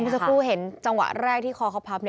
สักครู่เห็นจังหวะแรกที่คอเขาพับ